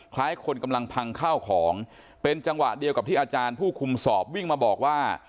คล้ายคนกำลังพังข้าวของเป็นจังหวะเดียวกับที่อาจารย์ผู้คุมสอบวิ่งมาบอกว่า